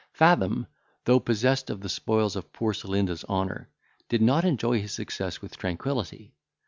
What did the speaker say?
Fathom, though possessed of the spoils of poor Celinda's honour, did not enjoy his success with tranquillity.